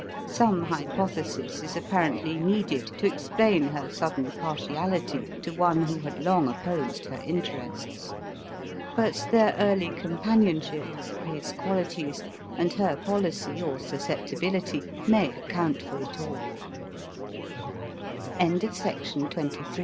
Some hypothesis is apparently needed to explain her sudden partiality to one who had long opposed her interests ; but their early companionship, his qualities, and her policy or susceptibility, may account for it